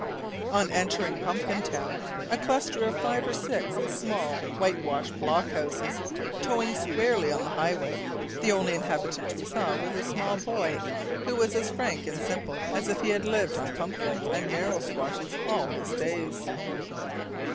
On entering Pumpkintown a cluster of five or six small, whitewashed blockhouses, toeing squarely on the highway the only inhabitant we saw was a small boy, who was as frank and simple as if he had lived on pumpkins and marrow squashes all his days.